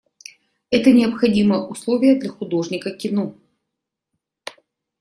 Это необходимое условие для художника кино.